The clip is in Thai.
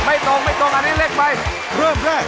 อันนี้รึเปล่า